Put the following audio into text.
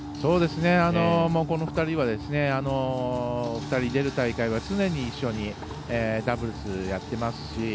２人の出る大会は、常に一緒にダブルスをやっていますし。